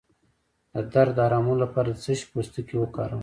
د درد د ارامولو لپاره د څه شي پوستکی وکاروم؟